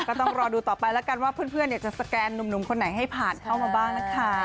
ก็ต้องรอดูต่อไปแล้วกันว่าเพื่อนจะสแกนหนุ่มคนไหนให้ผ่านเข้ามาบ้างนะคะ